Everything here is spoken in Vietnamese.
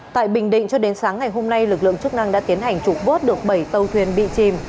tại bình định cho đến sáng ngày hôm nay lực lượng chức năng đã tiến hành trục vớt được bảy tàu thuyền bị chìm